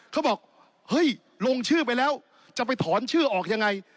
เขาบอกเฮ้ยลงชื่อไปแล้วจะไปถอนชื่อออกยังไง